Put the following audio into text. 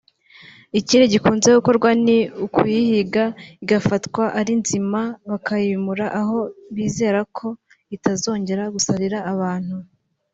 Ikindi gikunze gukorwa ni ukuyihiga igafatwa ari nzima bakayimura aho bizera ko itazongera gusagarira abantu